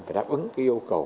và đáp ứng yêu cầu